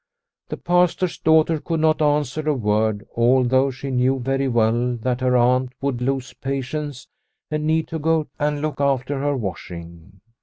The Pastor's daughter could not answer a word, although she knew very well that her aunt would lose patience and need to go and look after her washing.